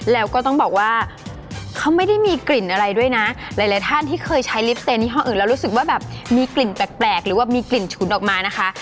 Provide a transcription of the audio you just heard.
แล้วก็ต้องบอกว่าเขาไม่ได้มีกลิ่นอะไรด้วยนะหลายท่านที่เคยใช้ลิฟเตนยี่ห้ออื่นแล้วรู้สึกว่าแบบมีกลิ่นแปลกหรือว่ามีกลิ่นฉุนออกมานะคะ